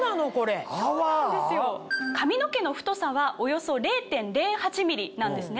髪の毛の太さはおよそ０．０８ｍｍなんですね。